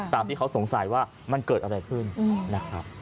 ตามที่เขาสงสัยว่ามันเกิดอะไรขึ้นนะครับ